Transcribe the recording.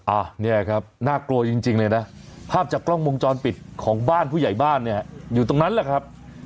อ่ะเนี่ยครับน่ากลัวจริงเลยนะภาพจากกล้องวงจรปิดของบ้านผู้ใหญ่บ้านเนี่ยอยู่ตรงนั้นแหละครับ